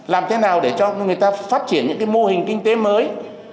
làm thế nào để cho người ta phát triển những cái mô hình kinh tế mới